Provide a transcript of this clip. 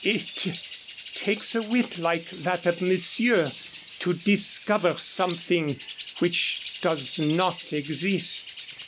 It takes a wit like that of monsieur to discover something which does not exist."